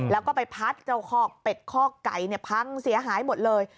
แล้วก็ไปพัดเจ้าคอกเป็ดคอกไก่พังเสียหายหมดเลย